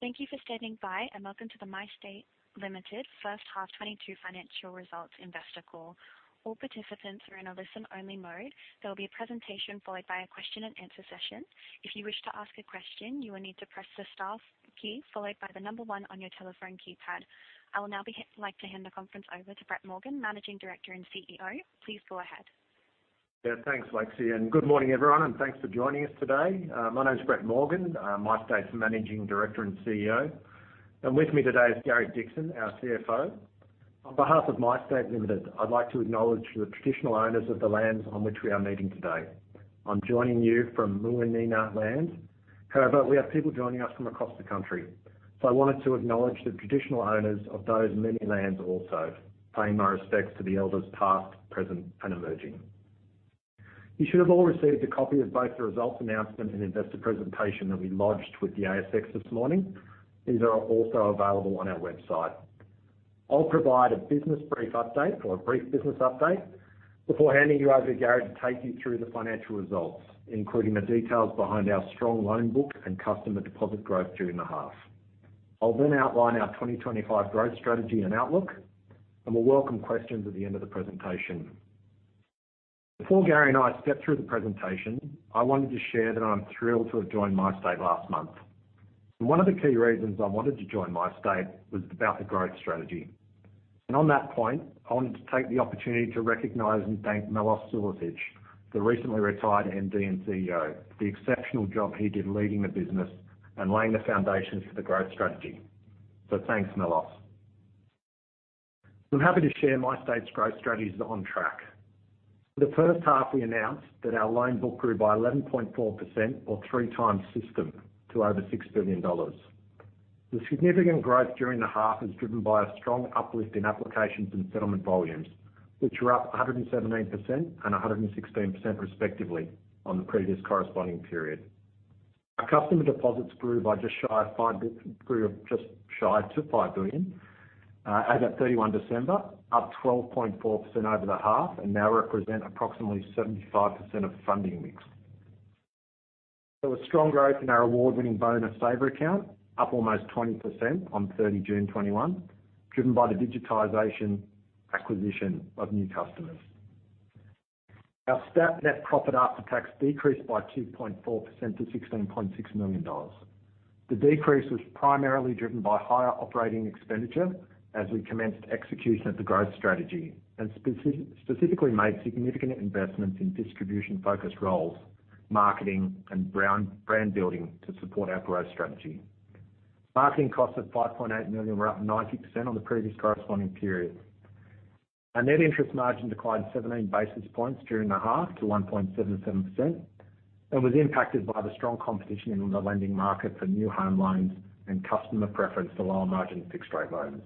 Thank you for standing by, and welcome to the MyState Limited first half 2022 financial results investor call. All participants are in a listen only mode. There will be a presentation followed by a question and answer session. If you wish to ask a question, you will need to press the star key followed by the number 1 on your telephone keypad. I will now like to hand the conference over to Brett Morgan, Managing Director and Chief Executive Officer. Please go ahead. Yeah, thanks, Lexi, and good morning, everyone, and thanks for joining us today. My name is Brett Morgan, I'm MyState's Managing Director and Chief Executive Officer. With me today is Gary Dickson, our Chief Financial Officer. On behalf of MyState Limited, I'd like to acknowledge the traditional owners of the lands on which we are meeting today. I'm joining you from Muwinina lands. However, we have people joining us from across the country, so I wanted to acknowledge the traditional owners of those many lands also, paying my respects to the elders past, present, and emerging. You should have all received a copy of both the results announcement and investor presentation that we lodged with the ASX this morning. These are also available on our website. I'll provide a business brief update or a brief business update before handing you over to Gary to take you through the financial results, including the details behind our strong loan book and customer deposit growth during the half. I'll then outline our 2025 growth strategy and outlook, and we'll welcome questions at the end of the presentation. Before Gary and I step through the presentation, I wanted to share that I'm thrilled to have joined MyState last month. One of the key reasons I wanted to join MyState was about the growth strategy. On that point, I wanted to take the opportunity to recognize and thank Melos Sulicich, the recently retired Managing Director and Chief Executive Officer, for the exceptional job he did leading the business and laying the foundations for the growth strategy. Thanks, Melos. I'm happy to share MyState's growth strategy is on track. For the first half, we announced that our loan book grew by 11.4% or three times system to over 6 billion dollars. The significant growth during the half is driven by a strong uplift in applications and settlement volumes, which were up 117% and 116% respectively on the previous corresponding period. Our customer deposits grew by just shy of 2.5 billion at 31 December, up 12.4% over the half and now represent approximately 75% of funding mix. There was strong growth in our award-winning Bonus Saver account, up almost 20% on June 30, 2021, driven by the digital acquisition of new customers. Our statutory net profit after tax decreased by 2.4% to 16.6 million dollars. The decrease was primarily driven by higher operating expenditure as we commenced execution of the growth strategy and specifically made significant investments in distribution focused roles, marketing and brand building to support our growth strategy. Marketing costs of 5.8 million were up 90% on the previous corresponding period. Our net interest margin declined 17 basis points during the half to 1.77% and was impacted by the strong competition in the lending market for new home loans and customer preference for lower margin fixed rate loans.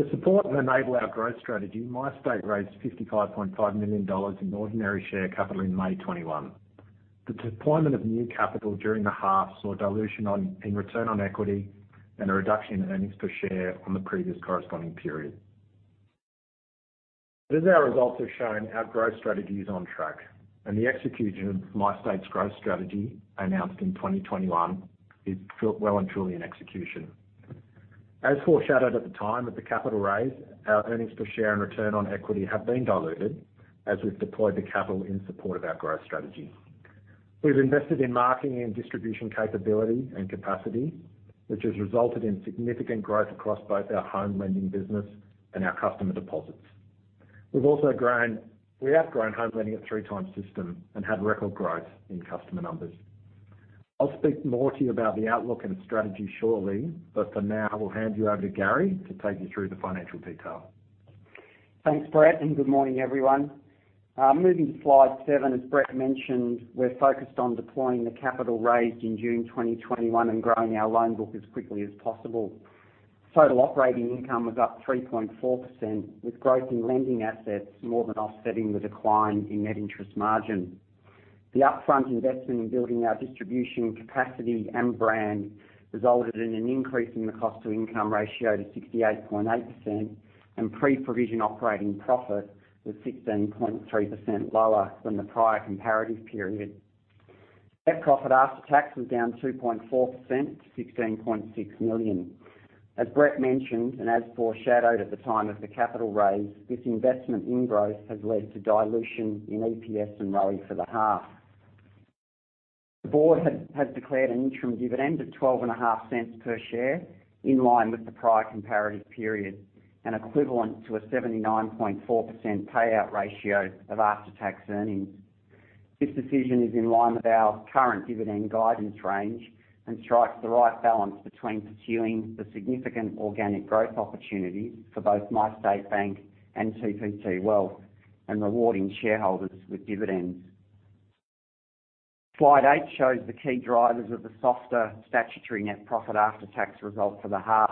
To support and enable our growth strategy, MyState raised AUD 55.5 million in ordinary share capital in May 2021. The deployment of new capital during the half saw a dilution in return on equity and a reduction in earnings per share on the previous corresponding period. As our results have shown, our growth strategy is on track and the execution of MyState's growth strategy announced in 2021 is well and truly in execution. As foreshadowed at the time of the capital raise, our earnings per share and return on equity have been diluted as we've deployed the capital in support of our growth strategy. We've invested in marketing and distribution capability and capacity, which has resulted in significant growth across both our home lending business and our customer deposits. We've also grown home lending at three times system and had record growth in customer numbers. I'll speak more to you about the outlook and strategy shortly, but for now, I will hand you over to Gary to take you through the financial detail. Thanks, Brett, and good morning, everyone? Moving to slide seven, as Brett mentioned, we're focused on deploying the capital raised in June 2021 and growing our loan book as quickly as possible. Total operating income was up 3.4%, with growth in lending assets more than offsetting the decline in net interest margin. The upfront investment in building our distribution capacity and brand resulted in an increase in the cost-to-income ratio to 68.8% and pre-provision operating profit was 16.3% lower than the prior comparative period. Net profit after tax was down 2.4% to 16.6 million. As Brett mentioned, and as foreshadowed at the time of the capital raise, this investment in growth has led to dilution in EPS and ROE for the half. The board has declared an interim dividend of 0.125 per share in line with the prior comparative period and equivalent to a 79.4% payout ratio of after-tax earnings. This decision is in line with our current dividend guidance range and strikes the right balance between pursuing the significant organic growth opportunities for both MyState Bank and TPT Wealth and rewarding shareholders with dividends. Slide eight shows the key drivers of the softer statutory net profit after tax result for the half.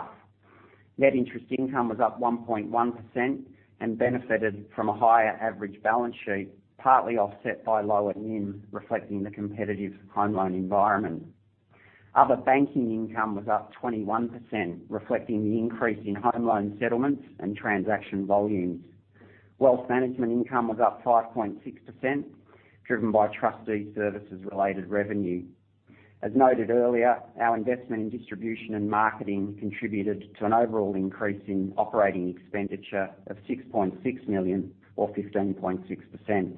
Net interest income was up 1.1% and benefited from a higher average balance sheet, partly offset by lower NIM, reflecting the competitive home loan environment. Other banking income was up 21%, reflecting the increase in home loan settlements and transaction volumes. Wealth management income was up 5.6%, driven by trustee services related revenue. As noted earlier, our investment in distribution and marketing contributed to an overall increase in operating expenditure of 6.6 million or 15.6%.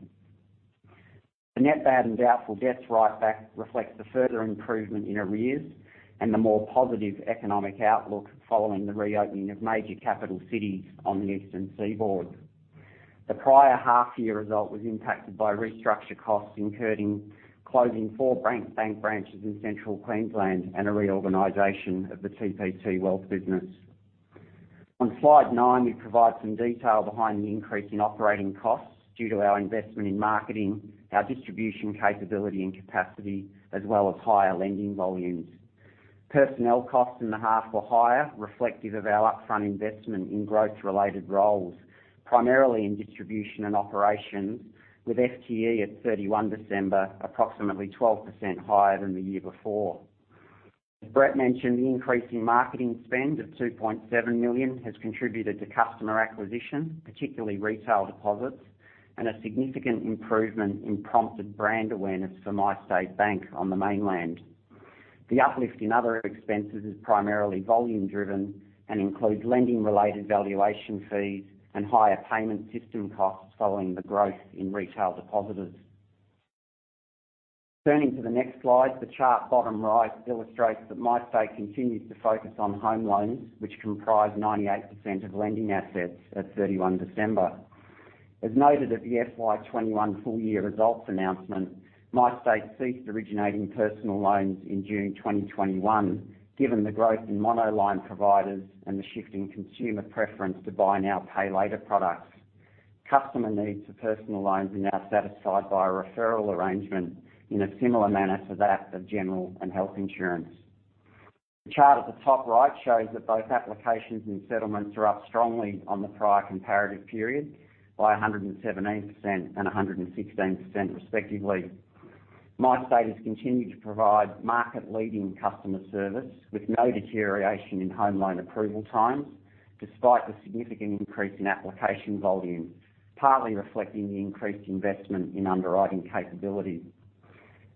The net bad and doubtful debts write-back reflects the further improvement in arrears and the more positive economic outlook following the reopening of major capital cities on the eastern seaboard. The prior half year result was impacted by restructure costs incurred in closing four Bank branches in central Queensland and a reorganization of the TPT Wealth business. On slide nine, we provide some detail behind the increase in operating costs due to our investment in marketing, our distribution capability and capacity, as well as higher lending volumes. Personnel costs in the half were higher, reflective of our upfront investment in growth related roles, primarily in distribution and operations, with FTE at December 31, approximately 12% higher than the year before. Brett mentioned the increase in marketing spend of 2.7 million has contributed to customer acquisition, particularly retail deposits, and a significant improvement in prompted brand awareness for MyState Bank on the mainland. The uplift in other expenses is primarily volume driven and includes lending related valuation fees and higher payment system costs following the growth in retail depositors. Turning to the next slide, the chart bottom right illustrates that MyState continues to focus on home loans, which comprise 98% of lending assets at December 31. As noted at the FY 2021 full year results announcement, MyState ceased originating personal loans in June 2021, given the growth in monoline providers and the shifting consumer preference to buy now, pay later products. Customer needs for personal loans are now satisfied by a referral arrangement in a similar manner to that of general and health insurance. The chart at the top right shows that both applications and settlements are up strongly on the prior comparative period by 117% and 116% respectively. MyState has continued to provide market leading customer service with no deterioration in home loan approval times, despite the significant increase in application volume, partly reflecting the increased investment in underwriting capability.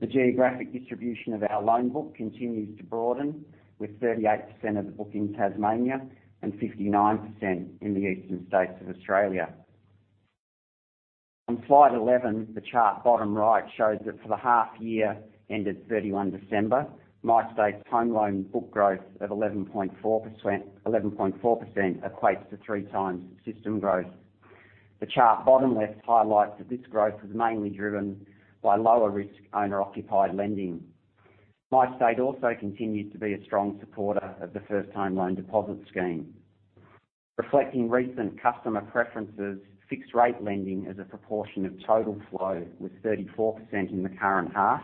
The geographic distribution of our loan book continues to broaden, with 38% of the book in Tasmania and 59% in the eastern states of Australia. On slide 11, the chart bottom right shows that for the half year ended 31 December, MyState's home loan book growth of 11.4%, 11.4% equates to 3x system growth. The chart bottom left highlights that this growth was mainly driven by lower risk owner-occupied lending. MyState also continues to be a strong supporter of the First Home Loan Deposit Scheme. Reflecting recent customer preferences, fixed rate lending as a proportion of total flow was 34% in the current half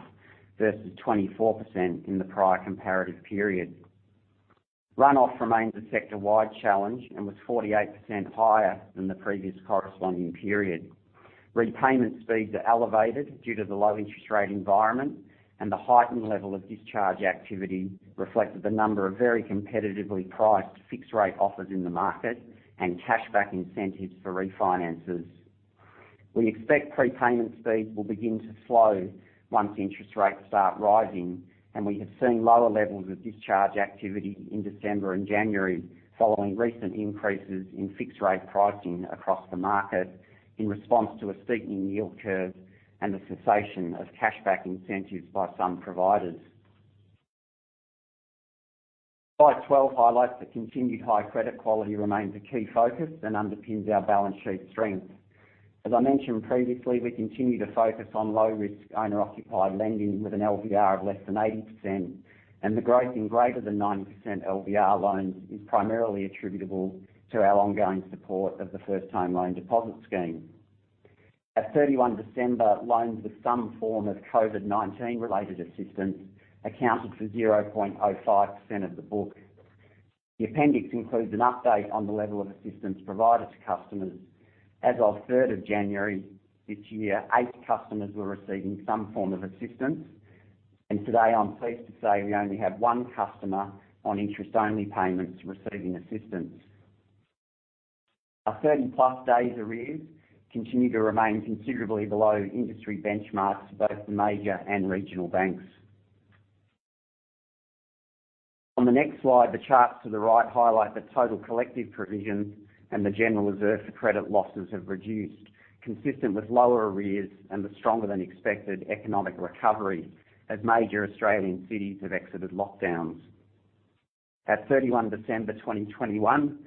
versus 24% in the prior comparative period. Run-off remains a sector-wide challenge and was 48% higher than the previous corresponding period. Repayment speeds are elevated due to the low interest rate environment, and the heightened level of discharge activity reflected the number of very competitively priced fixed rate offers in the market and cashback incentives for refinances. We expect prepayment speeds will begin to slow once interest rates start rising, and we have seen lower levels of discharge activity in December and January, following recent increases in fixed rate pricing across the market in response to a steepening yield curve and the cessation of cashback incentives by some providers. Slide 12 highlights the continued high credit quality remains a key focus and underpins our balance sheet strength. As I mentioned previously, we continue to focus on low risk owner-occupied lending with an LVR of less than 80%, and the growth in greater than 90% LVR loans is primarily attributable to our ongoing support of the First Home Loan Deposit Scheme. At December 31, loans with some form of COVID-19 related assistance accounted for 0.05% of the book. The appendix includes an update on the level of assistance provided to customers. As of January 3, this year, eight customers were receiving some form of assistance, and today I'm pleased to say we only have one customer on interest-only payments receiving assistance. Our 30+ days arrears continue to remain considerably below industry benchmarks for both the major and regional banks. On the next slide, the charts to the right highlight that total collective provisions and the general reserve for credit losses have reduced, consistent with lower arrears and the stronger than expected economic recovery as major Australian cities have exited lockdowns. At December 31 2021,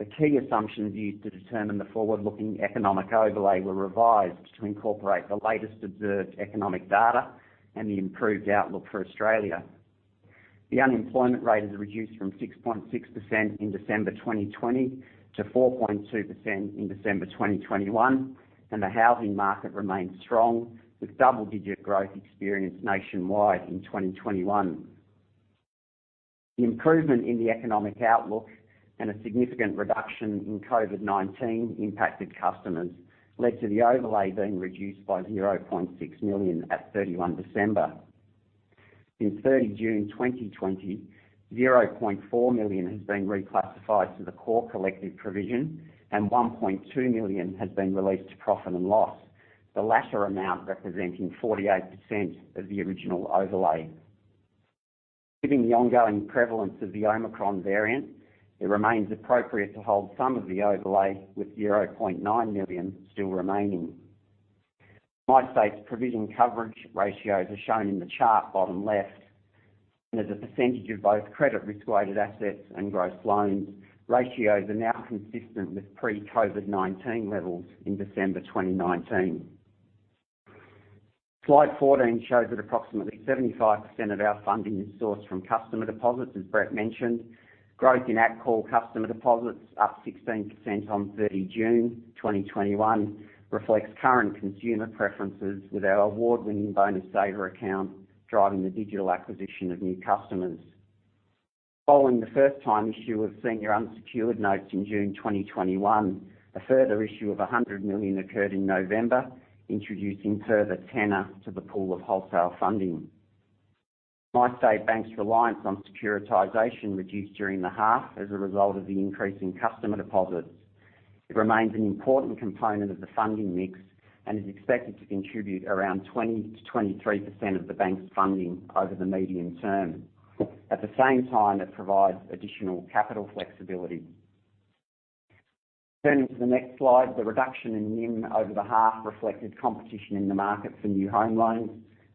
the key assumptions used to determine the forward-looking economic overlay were revised to incorporate the latest observed economic data and the improved outlook for Australia. The unemployment rate has reduced from 6.6% in December 2020 to 4.2% in December 2021, and the housing market remains strong, with double-digit growth experienced nationwide in 2021. The improvement in the economic outlook and a significant reduction in COVID-19 impacted customers led to the overlay being reduced by 0.6 million at December 31. In 30 June 2020, 0.4 million has been reclassified to the core collective provision and 1.2 million has been released to profit and loss. The latter amount representing 48% of the original overlay. Given the ongoing prevalence of the Omicron variant, it remains appropriate to hold some of the overlay with 0.9 million still remaining. MyState's provision coverage ratios are shown in the chart bottom left. As a percentage of both credit risk-weighted assets and gross loans, ratios are now consistent with pre-COVID-19 levels in December 2019. Slide 14 shows that approximately 75% of our funding is sourced from customer deposits, as Brett mentioned. Growth in at-call customer deposits up 16% on June 30 2021 reflects current consumer preferences with our award-winning Bonus Saver account, driving the digital acquisition of new customers. Following the first time issue of senior unsecured notes in June 2021, a further issue of 100 million occurred in November, introducing further tenor to the pool of wholesale funding. MyState Bank's reliance on securitization reduced during the half as a result of the increase in customer deposits. It remains an important component of the funding mix, and is expected to contribute around 20%-23% of the bank's funding over the medium term. At the same time, it provides additional capital flexibility. Turning to the next slide, the reduction in NIM over the half reflected competition in the market for new home loans,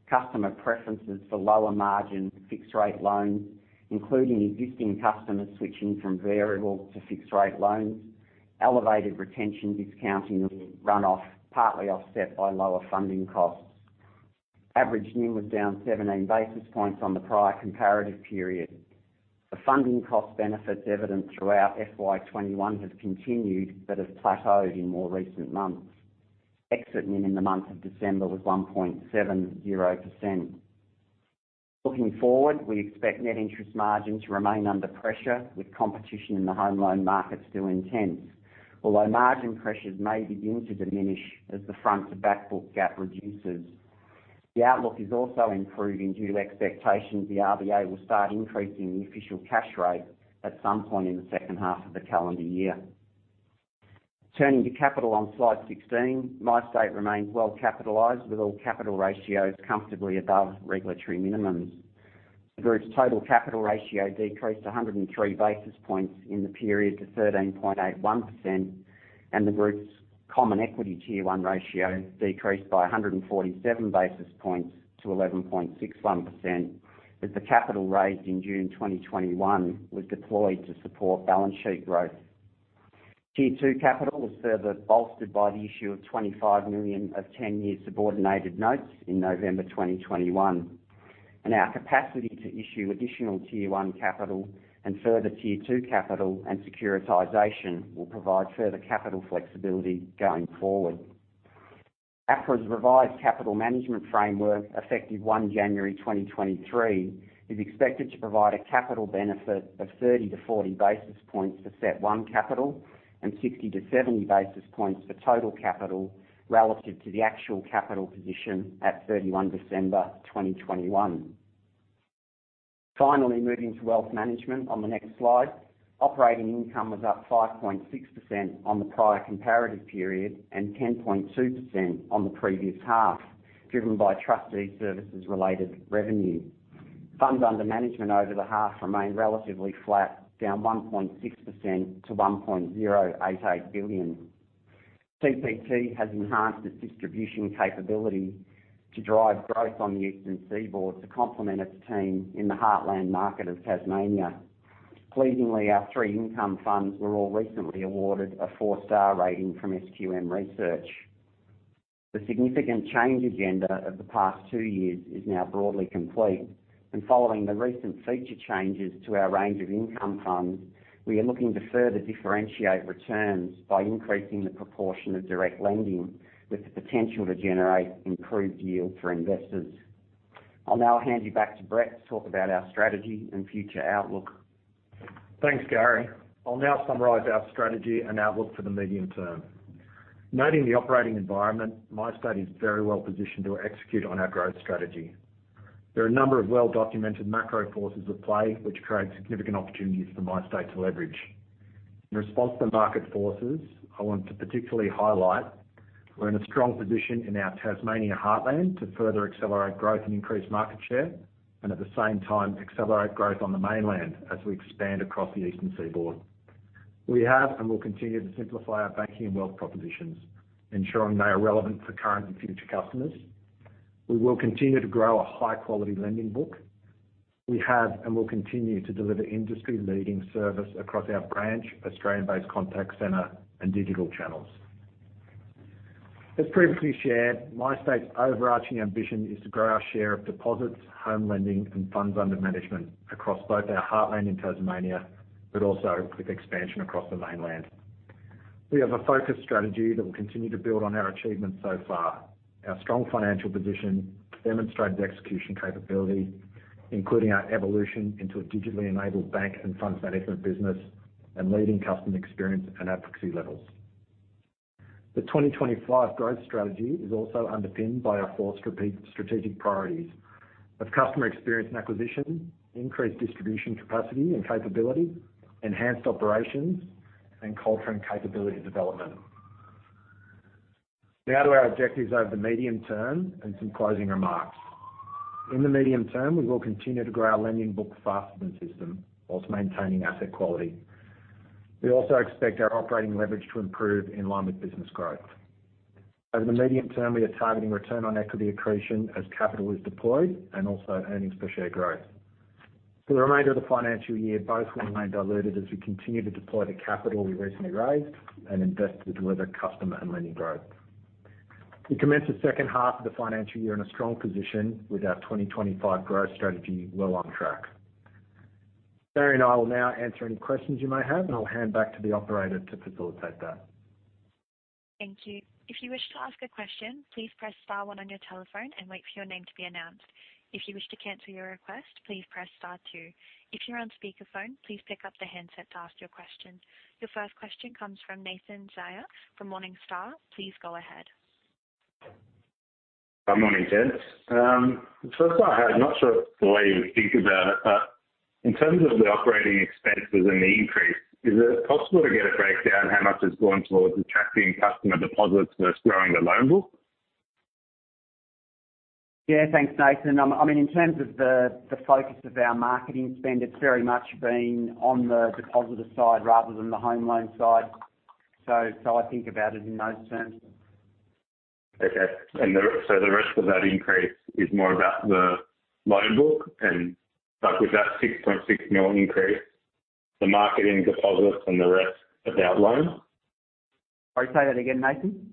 customer preferences for lower margin fixed rate loans, including existing customers switching from variable to fixed rate loans, elevated retention discounting runoff, partly offset by lower funding costs. Average NIM was down 17 basis points on the prior comparative period. The funding cost benefits evident throughout FY 2021 have continued but have plateaued in more recent months. Exit NIM in the month of December was 1.70%. Looking forward, we expect net interest margin to remain under pressure with competition in the home loan market still intense. Although margin pressures may begin to diminish as the front to back book gap reduces. The outlook is also improving due to expectations the RBA will start increasing the official cash rate at some point in the second half of the calendar year. Turning to capital on slide 16, MyState remains well capitalized with all capital ratios comfortably above regulatory minimums. The group's total capital ratio decreased 103 basis points in the period to 13.81%, and the group's common equity tier one ratio decreased by 147 basis points to 11.61%, as the capital raised in June 2021 was deployed to support balance sheet growth. Tier two capital was further bolstered by the issue of 25 million of 10-year subordinated notes in November 2021. Our capacity to issue additional tier one capital and further tier two capital and securitization will provide further capital flexibility going forward. APRA's revised capital management framework, effective January 1 2023, is expected to provide a capital benefit of 30-40 basis points for CET1 capital and 60-70 basis points for total capital relative to the actual capital position at 31 December 2021. Finally, moving to wealth management on the next slide. Operating income was up 5.6% on the prior comparative period and 10.2% on the previous half, driven by trustee services related revenue. Funds under management over the half remained relatively flat, down 1.6% to 1.088 billion. TPT has enhanced its distribution capability to drive growth on the eastern seaboard to complement its team in the Heartland market of Tasmania. Pleasingly, our three income funds were all recently awarded a four-star rating from SQM Research. The significant change agenda of the past two years is now broadly complete, and following the recent feature changes to our range of income funds, we are looking to further differentiate returns by increasing the proportion of direct lending with the potential to generate improved yield for investors. I'll now hand you back to Brett to talk about our strategy and future outlook. Thanks, Gary. I'll now summarize our strategy and outlook for the medium term. Noting the operating environment, MyState is very well positioned to execute on our growth strategy. There are a number of well-documented macro forces at play which create significant opportunities for MyState to leverage. In response to market forces, I want to particularly highlight we're in a strong position in our Tasmania Heartland to further accelerate growth and increase market share, and at the same time, accelerate growth on the mainland as we expand across the eastern seaboard. We have and will continue to simplify our banking and wealth propositions, ensuring they are relevant for current and future customers. We will continue to grow a high-quality lending book. We have and will continue to deliver industry-leading service across our branch, Australian-based contact center, and digital channels. As previously shared, MyState's overarching ambition is to grow our share of deposits, home lending, and funds under management across both our Heartland in Tasmania, but also with expansion across the mainland. We have a focused strategy that will continue to build on our achievements so far. Our strong financial position demonstrates execution capability, including our evolution into a digitally enabled bank and funds management business, and leading customer experience and advocacy levels. The 2025 growth strategy is also underpinned by our four strategic priorities of customer experience and acquisition, increased distribution capacity and capability, enhanced operations, and culture and capability development. Now to our objectives over the medium term and some closing remarks. In the medium term, we will continue to grow our lending book faster than system while maintaining asset quality. We also expect our operating leverage to improve in line with business growth. Over the medium term, we are targeting return on equity accretion as capital is deployed and also earnings per share growth. For the remainder of the financial year, both will remain diluted as we continue to deploy the capital we recently raised and invest to deliver customer and lending growth. We commenced the second half of the financial year in a strong position with our 2025 growth strategy well on track. Gary and I will now answer any questions you may have, and I'll hand back to the operator to facilitate that. Thank you. If you wish to ask a question, please press star one on your telephone and wait for your name to be announced. If you wish to cancel your request, please press star two. If you're on speakerphone, please pick up the handset to ask your question. Your first question comes from Nathan Zaia from Morningstar, please go ahead. Good morning, gents. The first I had, not sure the way you would think about it, but in terms of the operating expenses and the increase, is it possible to get a breakdown how much is going towards attracting customer deposits versus growing the loan book? Yeah, thanks, Nathan. I mean, in terms of the focus of our marketing spend, it's very much been on the depositor side rather than the home loan side. I think about it in those terms. Okay. So the rest of that increase is more about the loan book and like, with that 6.6 million increase, the marketing deposits and the rest about loans? Sorry, say that again, Nathan.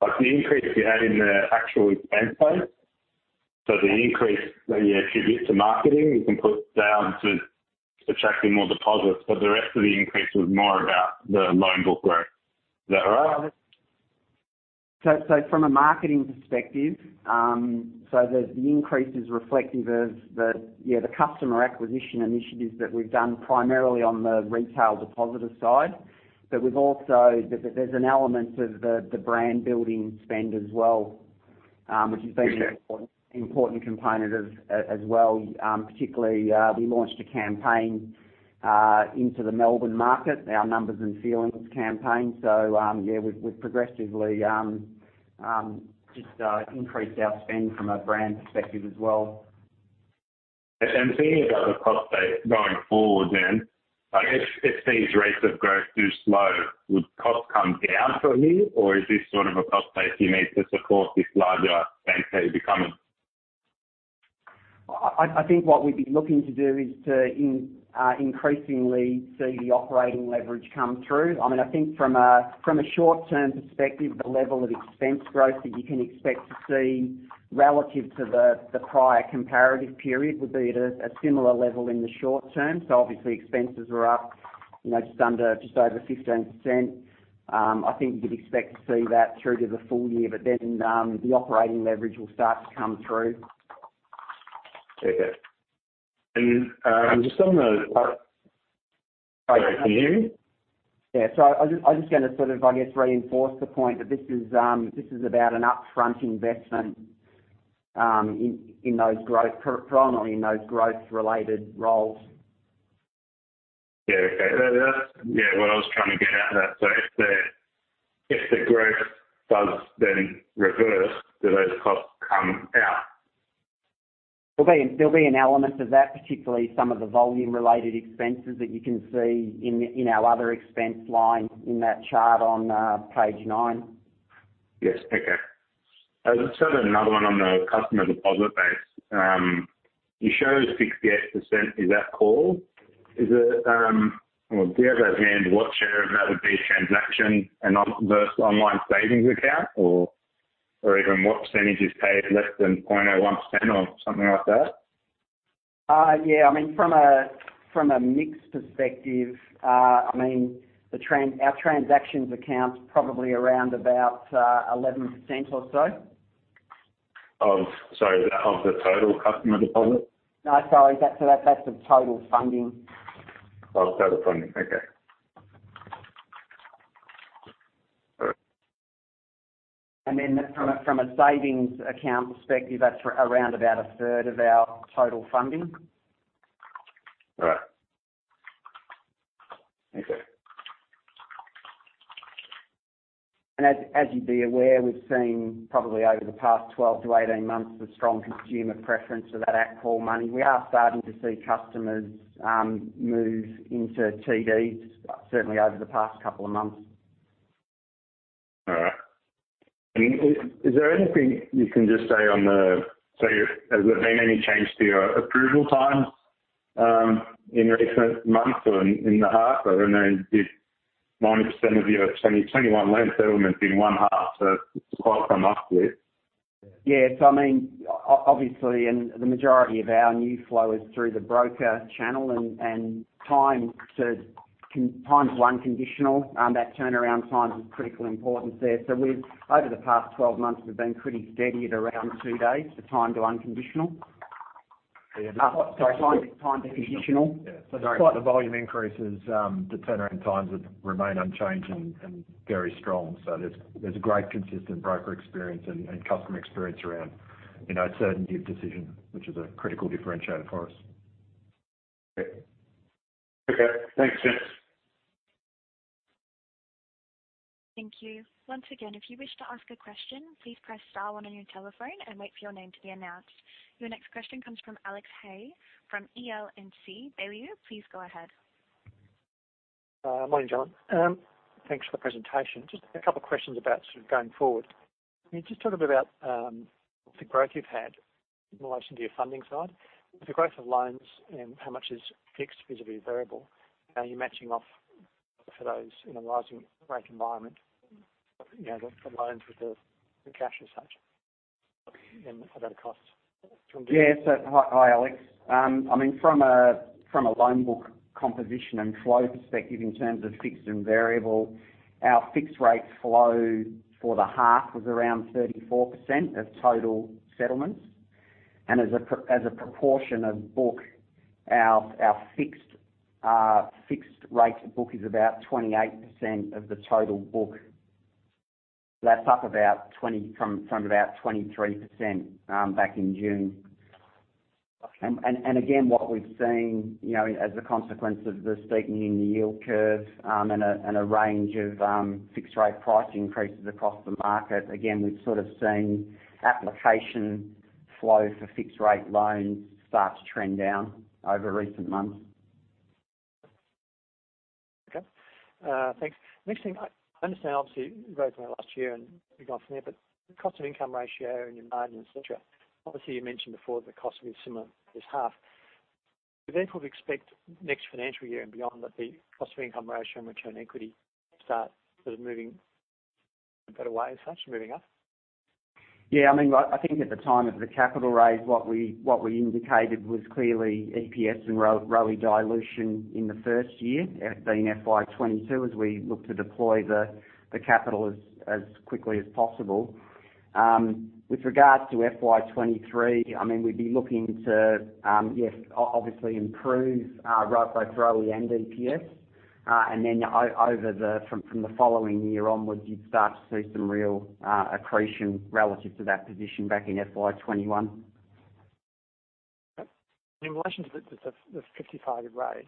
Like, the increase you had in the actual expense base. The increase that you attribute to marketing, you can put down to attracting more deposits, but the rest of the increase was more about the loan book growth. Is that right? From a marketing perspective, the increase is reflective of the customer acquisition initiatives that we've done primarily on the retail depositor side. There's an element of the brand-building spend as well, which has been Okay. An important component as well. Particularly, we launched a campaign into the Melbourne market, our Numbers and Feelings campaign. Yeah, we've progressively just increased our spend from a brand perspective as well. Thinking about the cost base going forward then, like if these rates of growth do slow, would cost come down for you or is this sort of a cost base you need to support this larger bank that you're becoming? I think what we'd be looking to do is to increasingly see the operating leverage come through. I mean, I think from a short-term perspective, the level of expense growth that you can expect to see relative to the prior comparative period would be at a similar level in the short term. Obviously expenses are up, you know, just under, just over 15%. I think you could expect to see that through to the full year, but then, the operating leverage will start to come through. Okay. Just on the Sorry. Can you hear me? I was just gonna sort of, I guess, reinforce the point that this is about an upfront investment in those growth-promoting, growth-related roles. Yeah. Okay. That yeah, what I was trying to get at, if the growth does then reverse, do those costs come out? There'll be an element of that, particularly some of the volume related expenses that you can see in our other expense line in that chart on page nine. Yes. Okay. I just had another one on the customer deposit base. You showed 68% is at call. Is it... Do you have offhand what share of that would be transaction and on-demand versus online savings account or even what percentage is paid less than 0.01% or something like that? Yeah, I mean from a mix perspective, I mean, our transactions account's probably around about 11% or so. Sorry, is that of the total customer deposit? No, sorry. That's the total funding. Oh, total funding. Okay. All right. From a savings account perspective, that's around about a third of our total funding. All right. Okay. As you'd be aware, we've seen probably over the past 12-18 months the strong consumer preference for that at call money. We are starting to see customers move into TDs, certainly over the past couple of months. All right. Is there anything you can just say? Has there been any change to your approval times in recent months or in the half? I know you did 90% of your 2021 loan settlements in one half, so it's quite a comeback, yeah. I mean obviously, and the majority of our new flow is through the broker channel and time to unconditional, that turnaround time is of critical importance there. We've over the past 12 months been pretty steady at around two days for time to unconditional. Sorry, time unconditional? Yeah. Sorry. Despite the volume increases, the turnaround times would remain unchanged and very strong. There's a great consistent broker experience and customer experience around, you know, certainty of decision, which is a critical differentiator for us. Okay. Thanks, Nathan Zaia. Thank you. Once again, if you wish to ask a question, please press star one on your telephone and wait for your name to be announced. Your next question comes from Alex Hay from E.L. & C. Baillieu, please go ahead. Morning, Alex. Thanks for the presentation. Just a couple questions about sort of going forward. Can you just talk a bit about the growth you've had in relation to your funding side? The growth of loans and how much is fixed vis-à-vis variable, how you're matching off for those in a rising rate environment, you know, the loans with the cash as such and how that costs from- Hi, Alex. I mean, from a loan book composition and flow perspective in terms of fixed and variable, our fixed rate flow for the half was around 34% of total settlements. As a proportion of book, our fixed rate book is about 28% of the total book. That's up from about 23% back in June. Okay. Again, what we've seen, you know, as a consequence of the steepening in the yield curve, and a range of fixed rate price increases across the market, again, we've sort of seen application flow for fixed rate loans start to trend down over recent months. Okay. Thanks. Next thing I understand, obviously, you wrote last year and you've gone from there, but the cost-to-income ratio and your margin, et cetera, obviously, you mentioned before that the cost will be similar this half. Do you therefore expect next financial year and beyond that the cost-to-income ratio and return on equity start sort of moving a better way as such, moving up? Yeah. I mean, I think at the time of the capital raise, what we indicated was clearly EPS and ROE dilution in the first year, it being FY 2022 as we look to deploy the capital as quickly as possible. With regards to FY 2023, I mean, we'd be looking to yes obviously improve both ROE and EPS. Then from the following year onwards, you'd start to see some real accretion relative to that position back in FY 2021. In relation to the 55 raise,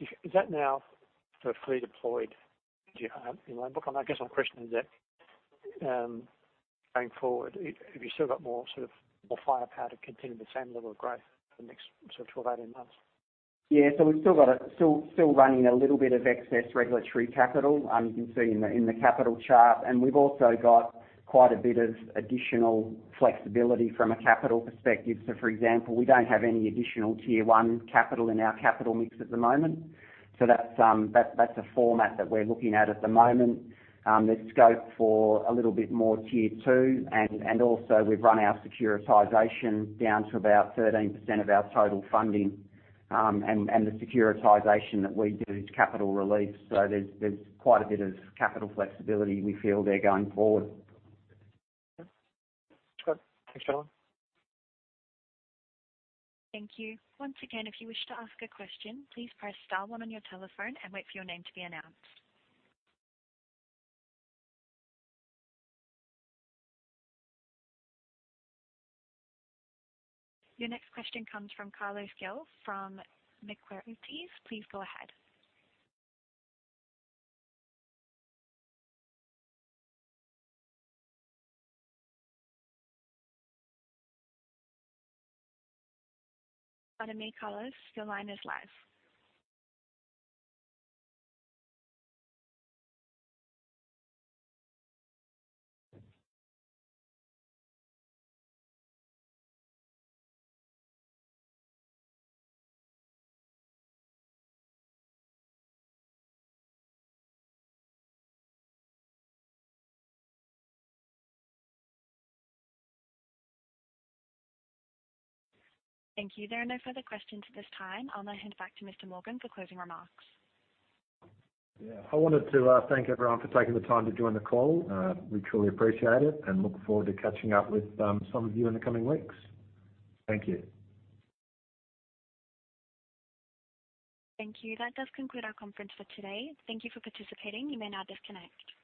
is that now sort of fully deployed to your loan book? I guess my question is that, going forward, have you still got more sort of firepower to continue the same level of growth for the next sort of 12, 18 months? Yeah. We're still running a little bit of excess regulatory capital. You can see in the capital chart. We've also got quite a bit of additional flexibility from a capital perspective. For example, we don't have any additional Tier 1 capital in our capital mix at the moment. That's a format that we're looking at the moment. There's scope for a little bit more Tier 2 and also we've run our securitization down to about 13% of our total funding. The securitization that we do is capital release. There's quite a bit of capital flexibility we feel there going forward. Okay. That's good. Thanks, [John.] Thank you. Once again, if you wish to ask a question, please press star one on your telephone and wait for your name to be announced. Your next question comes from Carlos Gil from Macquarie TS, please go ahead. One moment, Carlos. Your line is live. Thank you. There are no further questions at this time. I'll now hand back to Mr. Morgan for closing remarks. Yeah. I wanted to thank everyone for taking the time to join the call. We truly appreciate it and look forward to catching up with some of you in the coming weeks. Thank you. Thank you. That does conclude our conference for today. Thank you for participating. You may now disconnect.